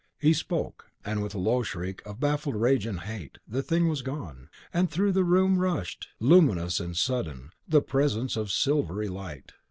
He spoke; and, with a low shriek of baffled rage and hate, the Thing was gone, and through the room rushed, luminous and sudden, the Presence of silvery light.